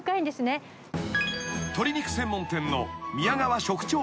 ［鶏肉専門店の］